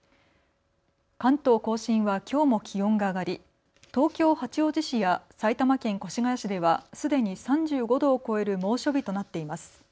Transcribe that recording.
関東甲信はきょうも気温が上がり東京八王子市や埼玉県越谷市ではすでに３５度を超える猛暑日となっています。